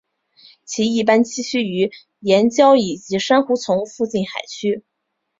其一般栖息于岩礁以及珊瑚丛附近海区。